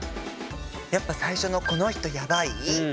やっぱ最初の「この人ヤバい」